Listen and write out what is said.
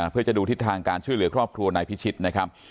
เพื่อจะดูทิศทางการช่วยเหลือครอบครัวนายพิชิตนะครับ